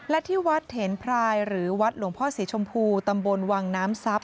และที่วัดเถนพรายหรือวัดหลวงพ่อศรีชมพูตำบลวังน้ำทรัพย